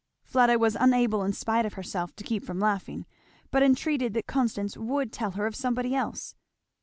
Fleda was unable in spite of herself to keep from laughing, but entreated that Constance would tell her of somebody else.